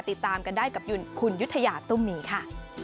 ติดตามกันได้กับคุณยุธยาตุ้มมีค่ะ